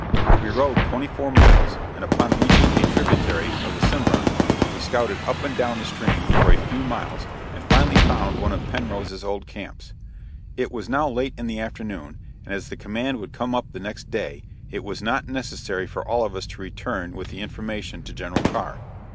We rode twenty four miles, and upon reaching a tributary of the Cimarron, we scouted up and down the stream for a few miles and finally found one of Penrose's old camps. It was now late in the afternoon, and as the command would come up the next day, it was not necessary for all of us to return with the information to General Carr.